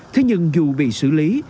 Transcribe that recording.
thế nhưng dù bị xử lý